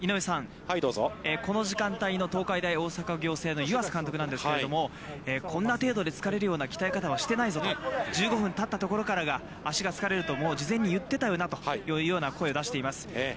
◆この時間帯の東海大大阪仰星の湯浅監督なんですけれども、こんな程度で疲れるような鍛え方はしてないぞと、１５分たったところからが足が疲れると事前に言ってたよなというような声を出しています。